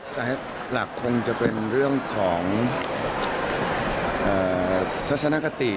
สาเหตุหลักคงจะเป็นเรื่องของทัศนคติ